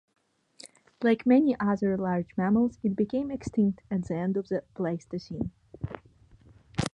Like many other large mammals, it became extinct at the end of the Pleistocene.